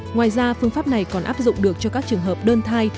ngoài ra phương pháp này còn áp dụng được cho các trường hợp đơn thai